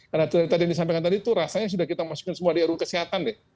karena tadi yang disampaikan tadi tuh rasanya sudah kita masukin semua di ru kesehatan deh